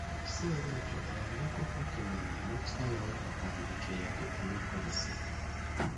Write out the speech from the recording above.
Mu kiseera ekyo eyambeko okwekenneenya n’okusalawo ku mpandiika eyali ey’okukozesebwa.